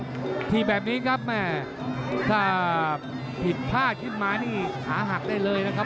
สวยไปสองครั้งทีมแบบนี้ครับถ้าผิดพลาดขึ้นมานี่ขาหักได้เลยนะครับ